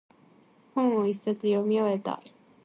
本を一冊読み終えた。